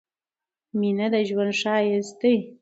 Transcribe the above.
مينه د ژوند ښايست دي